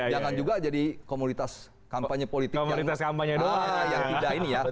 jangan juga jadi komunitas kampanye politik yang tidak ini ya